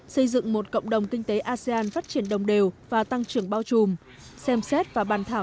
xây dựng một cộng đồng kinh tế asean phát triển đồng đều và tăng trưởng bao trùm xem xét và bàn thảo